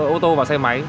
ô tô và xe máy